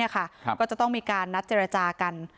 ก็จะต้องมีการนัดเจรจากัน